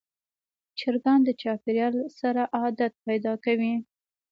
چرګان د چاپېریال سره عادت پیدا کوي.